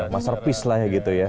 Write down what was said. mas service lah ya gitu ya